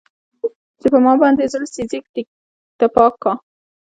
چې ما باندې يې زړه سيزي تپاک کا